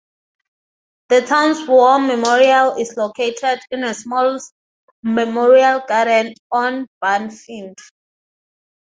The town's War Memorial is located in a small memorial garden on Barnfield.